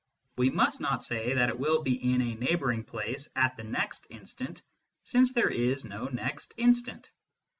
We must not say that it will be in a neighbour ing place at the next instant, since there is no next instant.